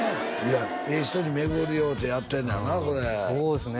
ええ人に巡り合うてやってんのやなそれそうですね